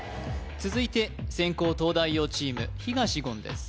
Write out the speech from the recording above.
続いて先攻東大王チーム東言です